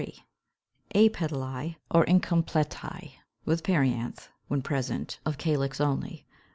_ APETALÆ or INCOMPLETÆ, with perianth, when present, of calyx only.